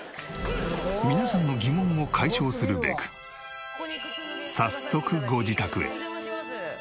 皆さんの疑問を解消するべく早速ご自宅へ。